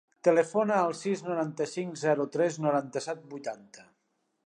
Telefona al sis, noranta-cinc, zero, tres, noranta-set, vuitanta.